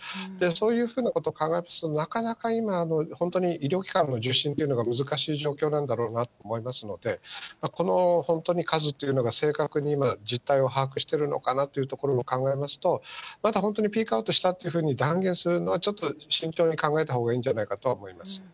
そういうふうなことを考えますと、なかなか今、本当に医療機関の受診っていうのが難しい状況なんだろうなと思いますので、この本当に数というのが、正確に実態を把握しているのかなというところを考えますと、まだ本当にピークアウトしたというふうに断言するのは、ちょっと慎重に考えたほうがいいんじゃないかなとは思います。